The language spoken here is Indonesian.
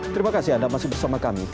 terima kasih anda masih bersama kami